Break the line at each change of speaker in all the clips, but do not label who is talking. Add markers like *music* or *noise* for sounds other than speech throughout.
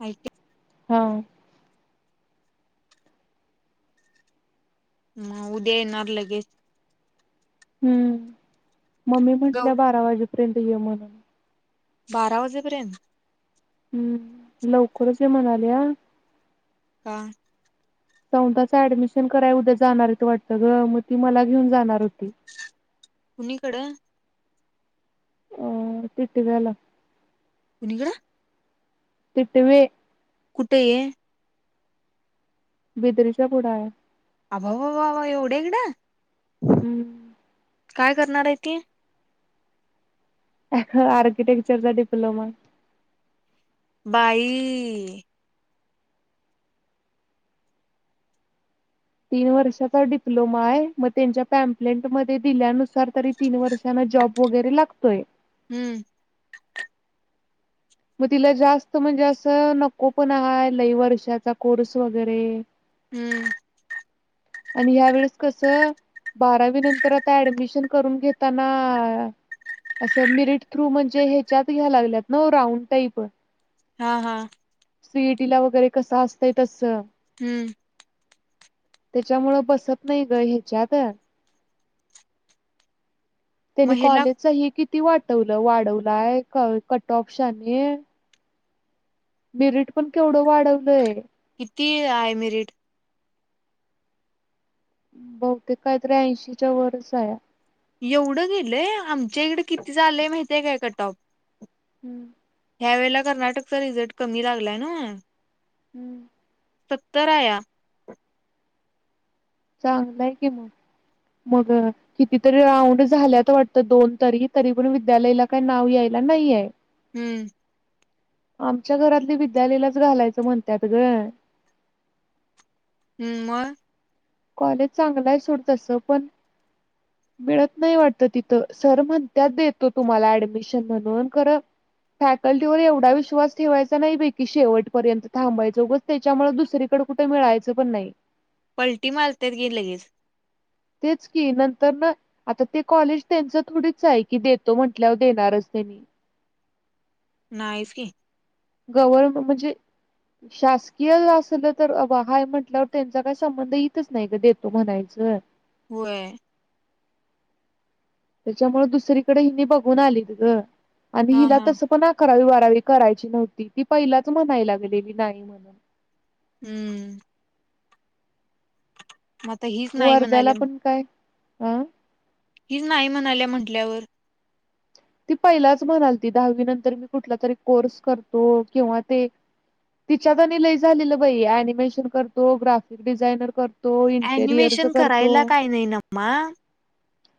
माहिती.
हं.
मंग उद्या येणार लगेचं.
हम्म, मम्मी
ग
म्हंटल्या बारा वाजेपर्यंत ये म्हणून.
बारा वाजेपर्यंत?
हम्म, लवकरचं ये म्हणाल्या.
का?
सवताचं ऍडमिशन करायला उद्या जाणार वाटतं ग, मग ती मला घेऊन जाणार होती.
कुणीकडं?
अ.. टिटव्याला.
कुणीकडं?
टिटवे.
कुठे ये?
बिदरीच्या पुढा हाया.
अबा, अबा, अबा, अबाबाबा एवढ्या इकडं?
हं.
काय करणार आहे ती?
आर्कीटेक्चरचा डिप्लोमा.
बाई....
तीन वर्षाचा डिप्लोमा आहे, मग त्यांच्या पॅम्पलेंट मध्ये दिल्यानुसार तरी- तीन वर्षांन जॉब वगैरे लागतोयं.
हम्म.
मग तिला जास्त म्हणजे, असं नको पण आहे, लय वर्षाचा कोर्स वगैरे.
हम्म.
आणि ह्या वेळेस कसं, बारावी नंतर आता ऍडमिशन करून घेताना- असं मिरट थ्रू म्हणजे, ह्याच्यात घ्याय लागल्यात ना राऊंड टाईप?
हा, हा.
सी ए टी ला वगैरे कसं असतय तसं.
हम्म.
त्याच्यामुळं बसत नाही गं ह्याच्यातं. त्यानी
महिला
कॉलेजचं हे किती वाटांवर, वाढवलाय कट ऑफ शाने. मेरिट पण केवढं वाढवलय.
किती आहे, मिरिट?
बहुतेक काहीतरी ऐंशीच्या वरचं आहे.
एवढं गेलय, आमच्या इकडे किती झालय माहितीय काय कट ऑफ?
*inaudible*
ह्या वेळेला कर्नाटकचा रिझल्ट कमी लागलाय नव्ह?
*inaudible*
सत्तर हाया.
चांगलंय की मग, मग कितीतरी राऊंड झाल्यात वाटतं दोन तरी, तरी पण विद्यालयाला काही नाव यायला नाहीये.
हम्म.
आमच्या घरातली विद्यालयालाच घालायचं म्हणतात गं.
हम्म मग,
कॉलेज चांगला आहे सोड तस पण, मिळत नाही वाटत तिथं. सर म्हणत्यात देतो तुम्हाला ऍडमिशन म्हणून खरं. फॅकल्टीवर एवढा विश्वास ठेवायचा नाही बैकी शेवटपर्यंत थांबायच उगच त्याच्यामुळे दुसरीकडे कुठे मिळायचं पण नाही.
पलटी मारतात घे लगेच.
तेच की नंतरन आता ते कॉलेज त्यांच थोडीच आहे की, देतो म्हटल्यावर देणारच त्यांनी
नाहीच की.
गवर म्हणजे, शासकीय असल तर अब हाय म्हटल्यावर त्यांचा काय संबंध इतच नाही गं देतो म्हणायचं,
व्हय.
त्याच्यामुळे दुसरीकडे हिनी बघून आली त ग. आणि
हा
हिला
हा
तसं पण आ करावी बारावी करायची नव्हती. ती पहिलाच म्हणाय लागलेली नाही म्हणून.
हम्म. मग आता हीच नाही
वर्ध्याला
म्हणाले
पण काय अ
ही नाही म्हणाल्या म्हटल्यावर.
ती पहिलाच म्हणालती दहावी नंतर मी कुठला तरी कोर्स करतो किंवा ते तिच्यात आणि लय झालेलं बाई ऍनिमेशन करतो. ग्राफिक डिझायनर कर तो. इंटेरियरच
अॅनिमेशन करायला
करतो.
काय नाही नमा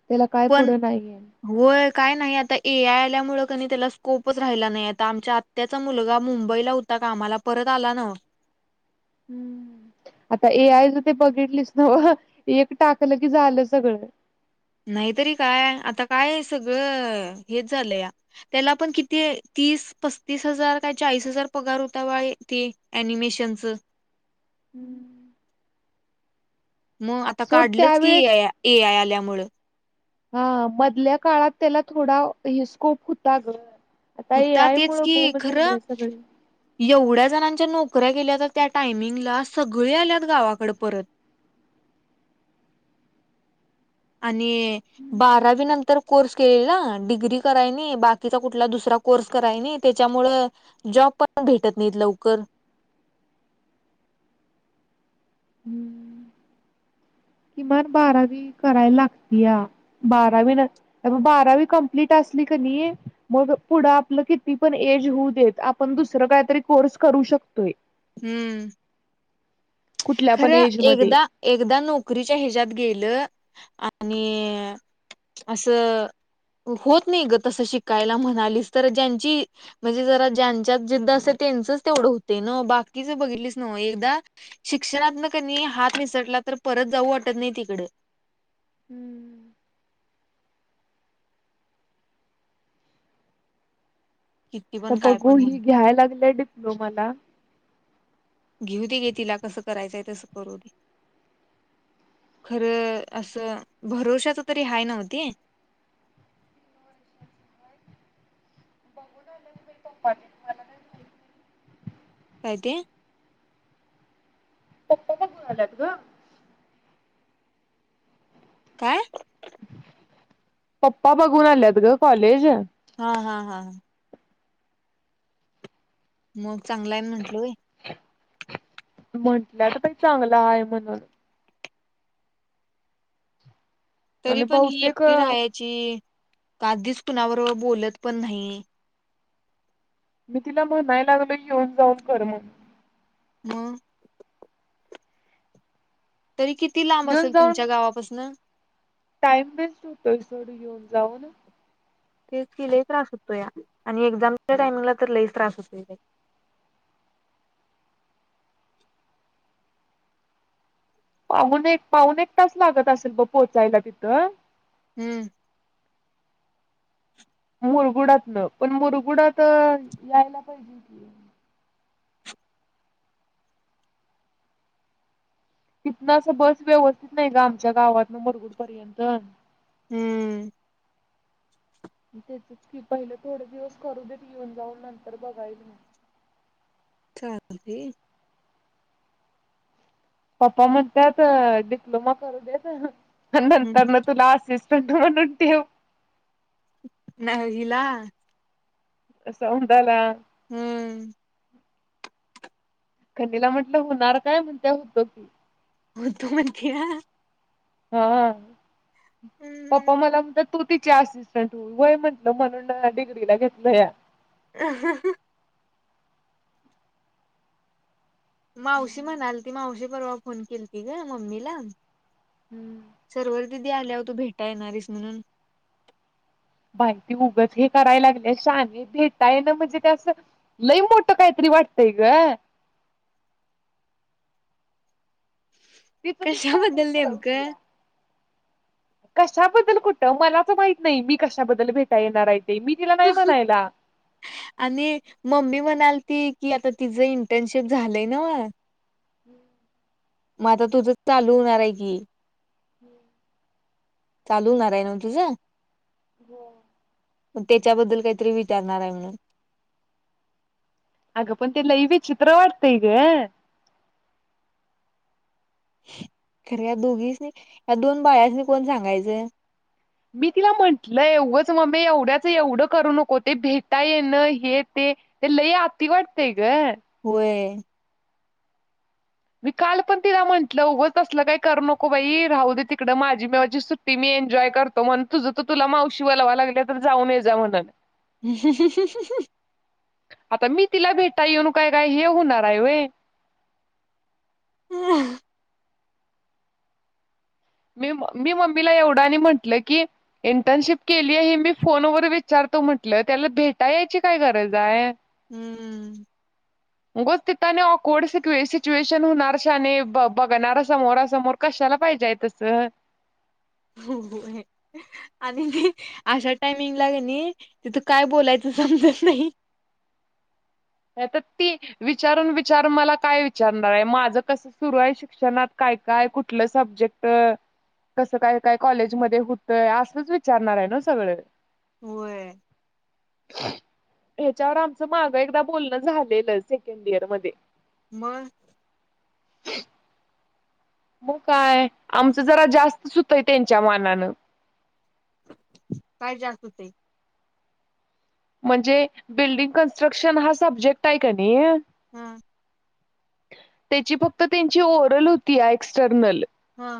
त्याला काय
पण
पुढं नाहीये.
होय काय नाही. आता ए आय आल्यामुळ कनी त्याला स्कोप च राहिला नाही आता आमच्या आत्याचा मुलगा मुंबईला होता कामाला परत आला नव्ह.
आता ए आय च ते बघितलीस नव्ह. एक टाकलं की झालं सगळं.
नाहीतरी काय आता काय सगळं हेच झालंया. त्याला पण किती तीस, पस्तीस हजार काय चाळीस हजार पगार होता बाई दि अनिमेशनच.
हम्म *inaudible*
मग आता
सोड
काढलंच की ए
त्यावेेळेस
आय ए आय आल्यामूळ.
हा मधल्या काळात त्याला थोडा हे स्कोप होता ग. आता ए
होता
आय
तेच
मुळं
की
भोग झालय
खरं
आहे सगळ.
एवढ्या जणांच्या नोकऱ्या गेल्या तर त्या टायमिंगला सगळी आल्यात गावाकडे परत. आणि बारावी नंतर, कोर्स केलेला डिग्री कराय नाही. आणि बाकीचा कुठला दुसरा कोर्स कराय नाही. त्याच्यामुळ जॉब पण भेटत नाहीत लवकर.
हम्म *inaudible* किमान बारावी करायला लागत्या. बारावी नंत म बारावी कंप्लीट असली की नाही. मग पुढ आपलं किती पण एज होऊ देत आपण दुसरं काहीतरी कोर्स करू शकतोय.
हम्म
कुठल्या पण
खरं
एज मध्ये
एकदा, एकदा नोकरीच्या हेज्यात गेलं आणि असं होतं नाहीं गं तस शिकांयला म्हणांलीस तरं ज्यांची. म्हणजे जरां ज्यांच्यात जिद्दं असे त्यांचच तेवढं होते नं बाकीच बघितलीच नवं एकदाचं. शिक्षणांतन कनी हात निसटलां तरं परंत जाऊं वाटतं नाहीं तिकडं.
हम्म.
कि
तरं बघूं ही घ्यांयला लागलीय डिप्लोमांला.
घेऊं दे की तिलां कसं करायचंय तसं करूं दे. खरं असं भरोश्यांच तरी हांय नव्हं ते.
*inaudible* *unintelligible*
कायं तेे.
हलतं कां
कायं
पप्पां बघूंन आल्यांत गं कॉलेज
हां हां हां हां मंग चांगलय आहे म्हंटल बाई
म्हंटलं आंता पणं चांगलं आहे म्हणूंन.
तरी
आणि
पणं ही
बहुतेक
एकटी
अ,
राहांयची काधींच कुणांबरोबर बोलतं पणं नाहीं.
मी तिला म्हणांया लागलोय येऊंन जाऊंन करं म्हणूंन.
हंम तरी किती लांब असेल तुमच्यां गावांपासंन.
टाईम वेस्ट होतोय थोडं येऊंन जाऊंन.
तेचं की लई त्रांस होतो यां आणि एक्झांमच्या टाइमिंगला तरं लईच त्रांस होतोय.
पाहूने पाऊंन एक तांस लागतं असेल गं पोहोचांयला तिथं,
हम्मं
मुंरगुडातलं पणं मुंरगुडात यांयला पाहिजे. तिथनं असं बसं व्यवस्थित नाहीं गं आमच्यां गावांतन मुंरगुडी पर्यंत.
हम्मं
त्याचंच की पहिले थोडे दिवसं करूं देेतं येऊंन जाऊंन नंतर बघांयल मंग.
खांती दे
पप्पां म्हणत्यांत डिप्लोमा करूं देतं
हम्म
नंतर नं तुलां असेच *inaudible* *unintelligible*
नळजिलां
असां अवं दानां
हम्मं
खनीला म्हटलं होणारं कायं म्हणटंल मुद्दाम म्हटलं.
तुं म्हंटली नां
हां
हम्म
पप्पां मलां म्हणत्यांत. तो तिचे असिस्टंट हो व्हयं म्हटलं म्हणूंन डिग्रीला घेतलं यां.
हं हां हां हं मावशी
हम्म
म्हणांलती मावशी पर्वा फोन केलती गं मम्मीला.
हम्मं
सर्वर दिदी आल्यांवर तूं भेटांया येणारेस म्हणूंन.
माहिती उगचं हे करांयला लागली शाने भेतांय नां म्हणजे ते असं. लई मोट कायं तरी वाटतेय गं. तिचं तीच
कशां
काहीतरी
बद्दल नेमकं.
*inaudible* *unintelligible* कशाबद्दल कुठं मलाच माहित नाही, मी कशाबद्दल भेटाया येणार आहे ते मी तिला नाही म्हणायला.
आणि मम्मी म्हणालती की आता तिचं इंटर्नशिप झालंय ना व.
*inaudible*
म आता तुझं चालू होणार आहे की.
*inaudible*
चालू होणार ये ना तुझं?
हो.
तेच्याबद्दल काहीतरी विचारणार आहे.
अग पण ते लई विचित्र वाटतय ग.
खर या दोघीसनी या दोन बायासनी कोण सांगायचं?
मी तिला म्हटलंय उगाच मम्मी एवढ्याच एवढं करू नको ते भेटाय येणं हे ते ते लय अती वाटतेय ग.
होय.
मी काल पण तिला म्हंटलं उघं असलं काही करू नको बाई राहू दे तिकडं माझी माझी मी सु ती मी एन्जॉय करतो म्हण तुझं तू तुला मावशी बोलवाय लागल्या तर जाऊन ये जाउन म्हणून.
ह ह ह ह
आता मी तिला भेटाया येऊन काय काय हे होणार आहे वय?
अह
मी मी मम्मीला एवढ आणि म्हटलं की, इंटर्नशिप केली आहे हे मी फोनवर विचारतो म्हटलं, त्याला भेटाया यायची काय गरज आहे?
हम्म
उगच तिथे ऑकवोड स सिच्युएशन होणार शाने ब बघणार समोरा समोर कशाला पाहिजेय तस?
हो हो आहे. आणि अशा टायमिंग ला कनी तिथ काय बोलायचं समजत नाही.
तर ती विचारून विचारून मला काय विचारणार आहे माझं कस सुरू आहे? शिक्षणात काय काय? कुठलं सब्जेक्ट? कसं काय काय कॉलेज मध्ये होतंय? असंच विचारणार आहे ना सगळं.
होय.
ह्याच्यावर आमच माग एकदा बोलणं झालेलं सेकंड इयर मध्ये.
मग
मग काय आमचं जरा जास्तच होतय त्यांच्या मानानं
काय जास्त होतेय?
म्हणजे बिल्डिंग कन्स्ट्रक्शन हा सब्जेक्ट आहे का नाही?
हा.
त्याची फक्त त्यांची ओरल होती एक्सटर्नल
हा.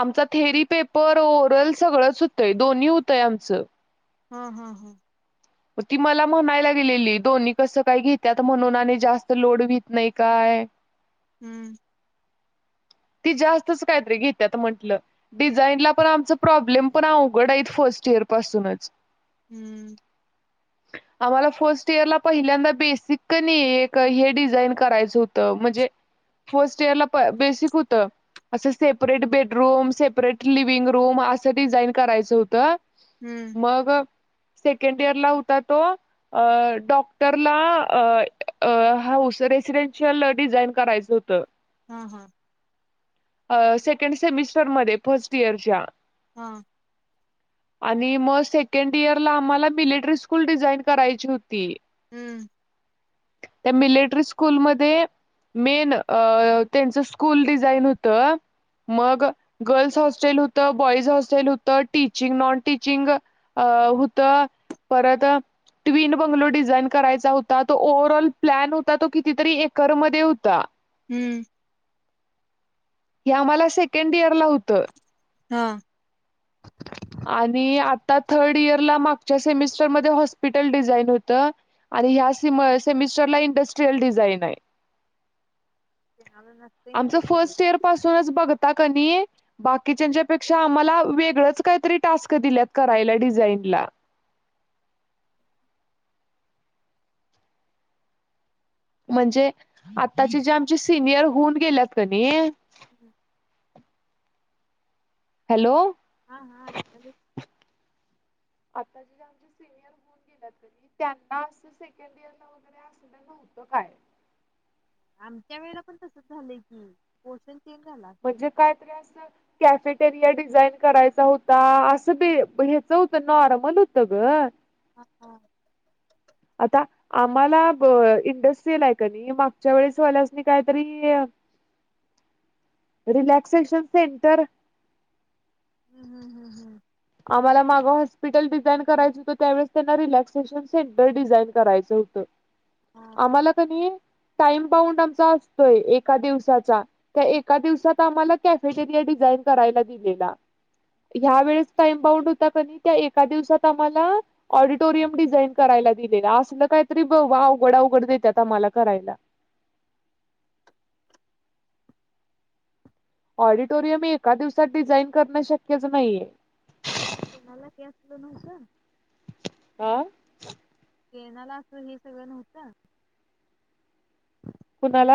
आमचा थेरी पेपर, ओरल सगळंच होतंय. दोन्ही होतंय आमचं.
हा हा.
म ती मला म्हणायला लागलेली दोन्ही कसं काही घेत्यात म्हणून आणि जास्त लोड वत नाही काय?
हम्म.
ती जास्तच काय तरी घेत्यात म्हंटलं? डिझाईन ला पण आमचा प्रॉब्लेम पण अवघड आहेत फर्स्ट इयर पासूनच
हम्म
*inaudible* आम्हाला फर्स्ट इयरला पहिल्यांदा बेसिक क नही एक हे डिझाईन करायचं होतं म्हणजे फर्स्ट इयर ला बेसिक होतं असं separate bedroom, separate living room असं डिझाईन करायचं होतं
हम्म
मग सेकंड इयरला होता तो अ डॉक्टरला अ, अ हाऊस रेसिडेनशियल डिझाईन करायचं होतं
हा, हा
अ सेकंड सेमिस्टरमध्ये फर्स्ट इयरच्या
हा
*inaudible* आणि मग सेकंड इयर ला आम्हाला मिलिटरी स्कूल डिझाईन करायची होती
हम्म
*inaudible* ते मिलिटरी स्कूल मधे मेन अ त्याचं स्कूल डीज जाइन होत मग गर्ल्स हॉस्टेल होतं बॉईज हॉस्टेल होत टीचिंग नॉन टीचिंग अ हूत परत ट्विन बंगलो डिझाईन करायचा होता तो ओव्हरऑल प्लॅन होता तो कितीतरी एकरमध्ये होता
हम्म
हे आम्हाला सेकंड इयर ला होतं
हा
आणि आता थर्ड इयर ला मागच्या सेमिस्टरमध्ये हॉस्पिटल डिझाईन होत आणि ह्या सिम सेमिस्टरला इंडस्ट्रियल डिझाइन आहे
कोणाला नसतंय
आमच
मग हे सगळं
फर्स्ट इयर पासूनच बघता क नी बाकीच्यांचा पेक्षा आम्हाला वेगळच काहीतरी टास्क दिल्यात करायला डिझाईनला म्हणजे आताची जे आमचे सिनियर होऊन गेल्यात कनई
*inaudible*
हॅलो
हा, हा आयकले
*unintelligible* *unintelligible*
आमच्या वेळेला पण तसच झालंय कि पोषण तेल झाला अस
म्हणजे कायतरी असल कॅफेटेरिया डिझाईन करायचा होता असं बी ह्याचं होतं नॉर्मल होतं ग
हा, हा
आता आम्हाला ब इंडस्ट्रीयल आहे का नाही मागच्या वेळेस वल्यासनी काहीतरी अ रिलॅक्सेशन सेंटर
हम् हम् हं हम
आम्हाला मागं हॉस्पिटल डिझाईन करायचं होतं त्यावेळेस त्यांना रिलॅक्सेशन सेंटर डिझाईन करायचं होतं
हा
आम्हाला कनी टाइम बाउंड आमचा असतोय एका दिवसाचा त्या एका दिवसात आम्हाला कॅफेटेरिया डिझाईन करायला दिलेला ह्या वळेस टाइम बाउंड होता क नी त्या एका दिवसात आम्हाला ऑडिटोरियम डिझाईन करायला दिलेला असलं काहीतरी बा अवघड, अवघड देतात आम्हाला करायला ऑडिटोरियम एका दिवसात डिझाईन करण शक्यच नाहीये
ते मला काही असल नव्हतं.
आ?
केनाला असं हे सगळं नव्हतं.
कुणाला?